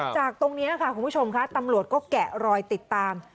จากตรงนี้ค่ะคุณผู้ชมค่ะตำรวจก็แกะรอยติดตาม